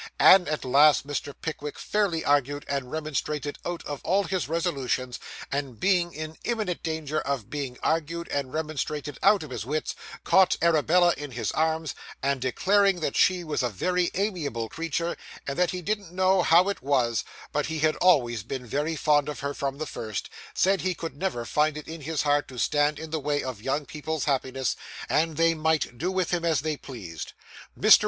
And, at last, Mr. Pickwick, fairly argued and remonstrated out of all his resolutions, and being in imminent danger of being argued and remonstrated out of his wits, caught Arabella in his arms, and declaring that she was a very amiable creature, and that he didn't know how it was, but he had always been very fond of her from the first, said he could never find it in his heart to stand in the way of young people's happiness, and they might do with him as they pleased. Mr.